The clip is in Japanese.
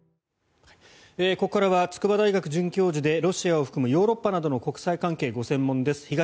ここからは筑波大学准教授でロシアを含むヨーロッパなどの国際関係がご専門です